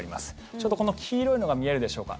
ちょうど、この黄色いのが見えるでしょうか。